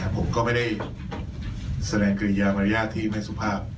ผมก็ไม่ได้แสดงเกรงอย่างหรืออย่างที่ไม่สุภาพ